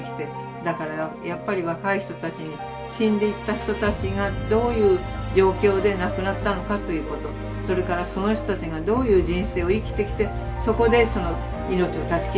だからやっぱり若い人たちに死んでいった人たちがどういう状況で亡くなったのかということそれからその人たちがどういう人生を生きてきてそこで命を断ち切られたかということを。